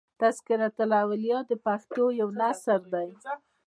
" تذکرة الاولیاء" د پښتو یو نثر دﺉ.